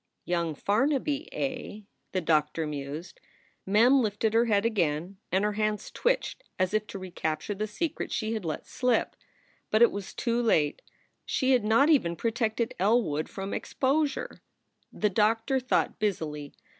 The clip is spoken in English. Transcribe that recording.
"Young Farnaby, eh?" the doctor mused. Mem lifted her head again, and her hands twitched as if to recapture the secret she had let slip. But it was too late; she had not even protected Elwood from exposure. The doctor thought busily.